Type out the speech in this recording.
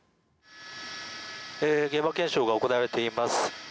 現場検証が行われています。